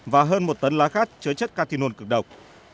và hơn một tấn lá khát chứa chất cathinol cực độc